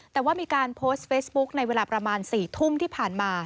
แต่ว่ามีการโพสต์เฟซบุ๊กในเวลาประมาณ๔ทุ่มที่ผ่านมา